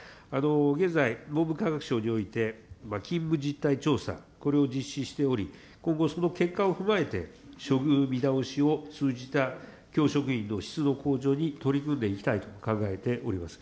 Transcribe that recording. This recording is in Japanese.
現在、文部科学省において勤務実態調査、これを実施しており、今後、その結果を踏まえて、処遇見直しを通じた教職員の質の向上に取り組んでいきたいと考えております。